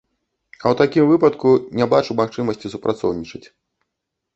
А ў такім выпадку не бачу магчымасці супрацоўнічаць.